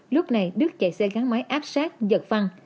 lúc này đức chạy xe gắn máy áp sát giật văn